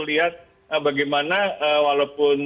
lihat bagaimana walaupun